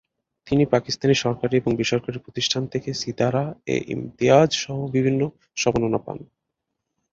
তিনি পাকিস্তানি সরকারি এবং বেসরকারি প্রতিষ্ঠান থেকে "সিতারা-এ-ইমতিয়াজ" সহ বিভিন্ন সম্মাননা পান।